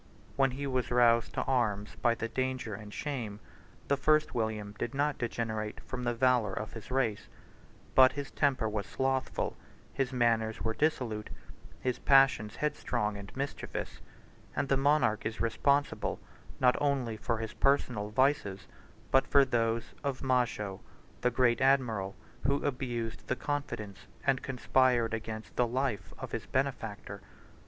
When he was roused to arms by danger and shame, the first William did not degenerate from the valor of his race; but his temper was slothful; his manners were dissolute; his passions headstrong and mischievous; and the monarch is responsible, not only for his personal vices, but for those of Majo, the great admiral, who abused the confidence, and conspired against the life, of his benefactor.